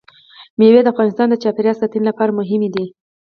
مېوې د افغانستان د چاپیریال ساتنې لپاره مهم دي.